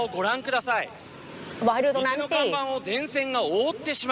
บอกให้ดูตรงนั้นสิ